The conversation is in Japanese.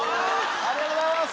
ありがとうございます！